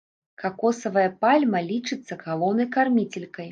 Какосавая пальма лічыцца галоўнай карміцелькай.